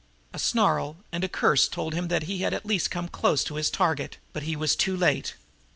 A snarl and a curse told him that he had at least come close to his target, but he was too late.